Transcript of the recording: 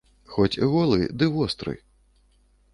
Хоць голы, ды востры.